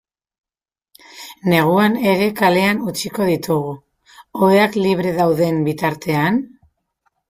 Neguan ere kalean utziko ditugu, oheak libre dauden bitartean?